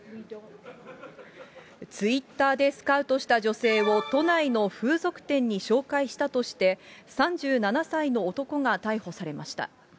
ツイッターでスカウトした女性を、都内の風俗店に紹介したとして、３７歳の男が逮捕されました。